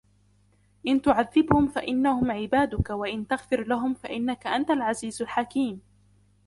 إِنْ تُعَذِّبْهُمْ فَإِنَّهُمْ عِبَادُكَ وَإِنْ تَغْفِرْ لَهُمْ فَإِنَّكَ أَنْتَ الْعَزِيزُ الْحَكِيمُ